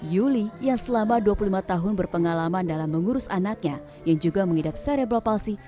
yuli yang selama dua puluh lima tahun berpengalaman dalam mengurus anaknya yang juga mengidap serebral palsi